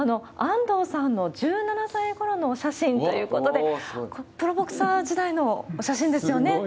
安藤さんの１７歳ごろのお写真ということで、これ、プロボクサー時代のお写真ですよね？